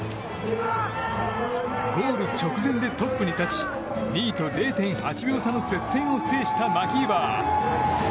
ゴール直前でトップに立ち２位と０．８秒差の接戦を制したマキーバー。